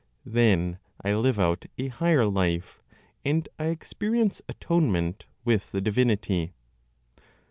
Then I live out a higher life, and I experience atonement with the divinity.